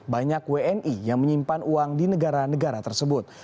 banyak wni yang menyimpan uang di negara negara tersebut